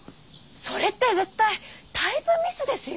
それって絶対タイプミスですよ。